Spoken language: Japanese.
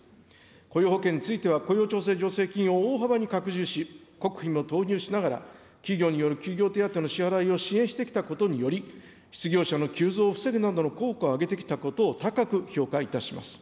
雇用保険については雇用調整助成金を大幅に拡充し、国費も投入しながら、企業による企業手当の支払いを支援してきたことにより、失業者の急増を防ぐなどの効果を上げてきたことを高く評価いたします。